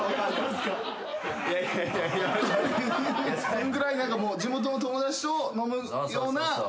そんぐらい何かもう地元の友達と飲むような。